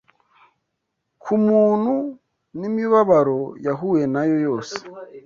k’umuntu n’imibabaro yahuye nayo yose